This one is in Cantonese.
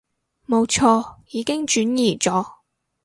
冇錯，已經轉移咗